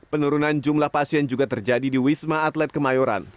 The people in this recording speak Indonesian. penurunan jumlah pasien juga terjadi di wisma atlet kemayoran